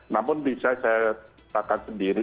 namun bisa saya katakan sendiri